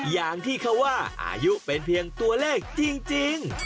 อย่างที่เขาว่าอายุเป็นเพียงตัวเลขจริง